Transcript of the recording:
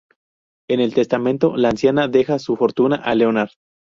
En el testamento, la anciana deja su fortuna a Leonard.